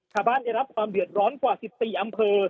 ข้าวบ้านได้รับความเดือดร้อนกว่าสิบสี่อำเภอ